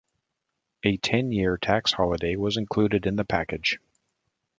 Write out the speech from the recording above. A ten-year tax holiday was included in the package.